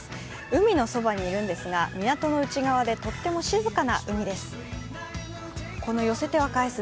海のそばにいるんですが、港の内側でとっても静かな海です。